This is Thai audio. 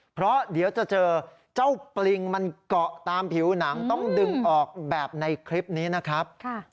เพราะเดี๋ยวจะเจอเจ้าปริงมันเกาะตามผิวหนังต้องดึงออกแบบในคลิปนี้นะครับ